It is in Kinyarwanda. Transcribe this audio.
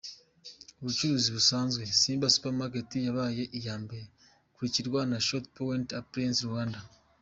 Ubucuruzi busanzwe :Simba Supermarket yabaye iya mbere, ikurikirwa na Shot Point Appliances Rwanda.